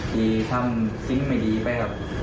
ที่ทำสิ่งไม่ดีไปครับ